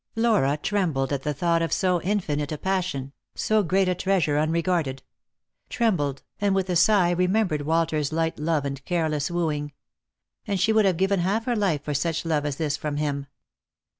Flora trembled at the thought of so infinite a passion, so great a treasure unregarded; trembled, and with a sigh remembered Walter's light love and careless wooing. And she would have given half her life for such love as this from him.